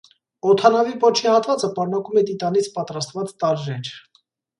Օդանավի պոչի հատվածը պարունակում է տիտանից պատրաստված տարրեր։